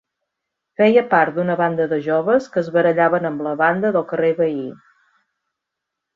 Feia part d'una banda de joves que es barallaven amb la banda del carrer veí.